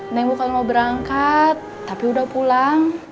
neng bukan mau berangkat tapi udah pulang